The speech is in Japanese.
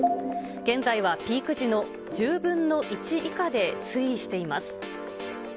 現在はピーク時の１０分の１以下で推移しています。